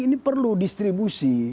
ini perlu distribusi